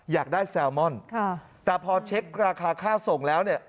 อยากได้แซลมอนแต่พอเช็คราคาค่าส่งแล้วเนี่ย